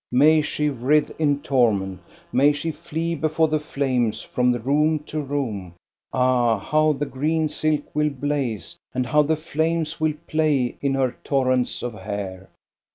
May she writhe in torment, may she flee before the flames from room to room ! Ah, how the green silk will blaze, and how the flames will play in her torrents of hair